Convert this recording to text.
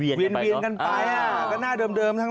เวียนกันไปอ่ะก็หน้าเดิมทั้งนั้นอ่ะ